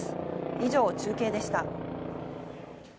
以上中継でした。